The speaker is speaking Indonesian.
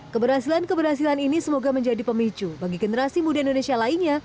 keberhasilan keberhasilan ini semoga menjadi pemicu bagi generasi muda indonesia lainnya